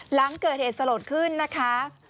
หลังเกิดเหตุสลดขึ้นนะคะ